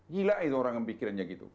gila itu orang pikirannya gitu